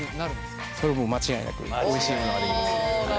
それはもう間違いなくおいしいものが出来ます。